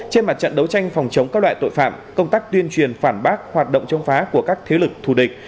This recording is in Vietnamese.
trên mặt trận đấu tranh phòng chống các loại tội phạm công tác tuyên truyền phản bác hoạt động chống phá của các thế lực thù địch